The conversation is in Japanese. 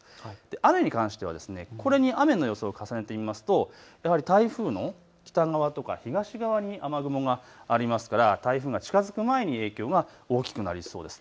雨に関してはこれに雨の予想を重ねてみるとやはり台風の北側と東側に雨雲がありますから、台風が近づく前に影響が大きくなりそうです。